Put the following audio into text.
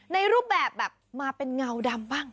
รูปแบบแบบมาเป็นเงาดำบ้าง